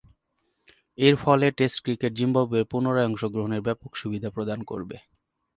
এরফলে টেস্ট ক্রিকেটে জিম্বাবুয়ের পুনরায় অংশগ্রহণে ব্যাপক সুবিধা প্রদান করবে।